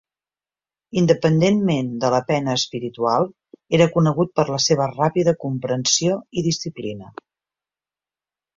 Independentment de la pena espiritual, era conegut per la seva ràpida comprensió i disciplina.